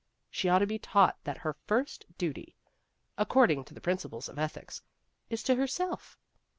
She ought to be taught that her first duty, according to the principles of ethics, is to herself."